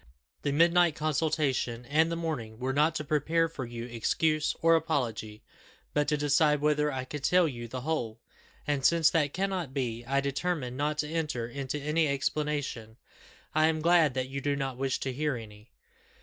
The midnight consultation and the morning, were not to prepare for you excuse or apology, but to decide whether I could tell you the whole; and since that cannot be, I determined not to enter into any explanation. I am glad that you do not wish to hear any."